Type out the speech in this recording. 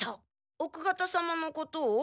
奥方様のことを？